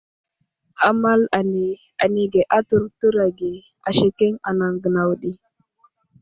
Amal ane anege a tərtər age asekeŋ anaŋ gənaw ɗi.